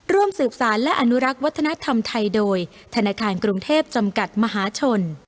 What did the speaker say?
ร่วมสืบสารและอนุรักษ์วัฒนธรรมไทยโดยธนาคารกรุงเทพจำกัดมหาชน